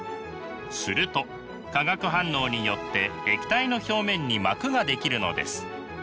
すると化学反応によって液体の表面に膜が出来るのです。